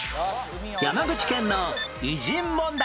山口県の偉人問題